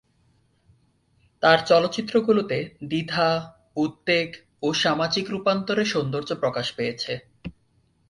তার চলচ্চিত্রগুলোতে দ্বিধা, উদ্বেগ, ও সামাজিক রূপান্তরের সৌন্দর্য প্রকাশ পেয়েছে।